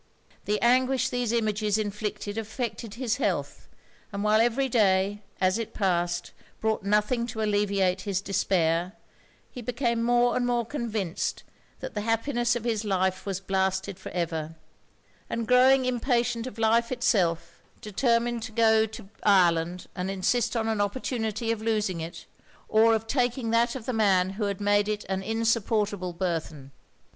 The anguish these images inflicted affected his health; and while every day, as it passed, brought nothing to alleviate his despair, he became more and more convinced that the happiness of his life was blasted for ever; and growing impatient of life itself, determined to go to Ireland and insist on an opportunity of losing it, or of taking that of the man who had made it an insupportable burthen.